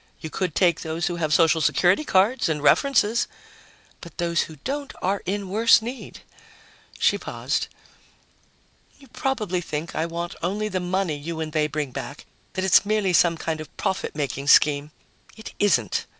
"You could take those who have social security cards and references." "But those who don't have any are in worse need!" She paused. "You probably think I want only the money you and they bring back, that it's merely some sort of profit making scheme. It isn't."